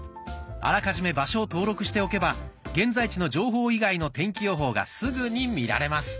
あらかじめ場所を登録しておけば現在地の情報以外の天気予報がすぐに見られます。